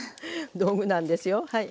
道具なんですよはい。